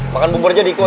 makan bubur aja diikutin